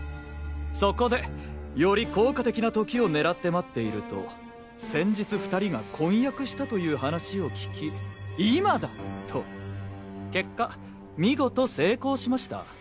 そこでより効果的な時を狙って待っていると先日２人が婚約したという話を聞き今だ！と結果見事成功しました。